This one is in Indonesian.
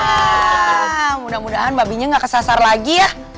wah mudah mudahan babinya gak kesasar lagi ya